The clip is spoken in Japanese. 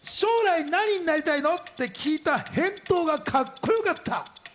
将来、何になりたいのと聞いた返答がカッコよかった。